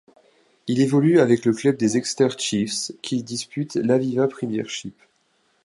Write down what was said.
Il évolue avec le club des Exeter Chiefs qui dispute l'Aviva Premiership.